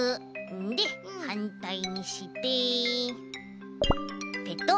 ではんたいにしてペトッ！